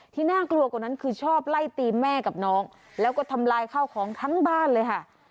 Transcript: น่ากลัวกว่านั้นคือชอบไล่ตีแม่กับน้องแล้วก็ทำลายข้าวของทั้งบ้านเลยค่ะ